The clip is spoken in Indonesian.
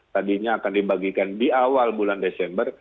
tadinya akan dibagikan di awal bulan desember